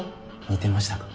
似てましたか？